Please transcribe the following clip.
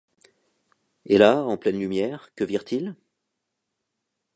Et là, en pleine lumière, que virent-ils?